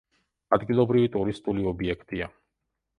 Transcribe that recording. ადგილობრივი ტურისტული ობიექტია.